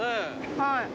はい。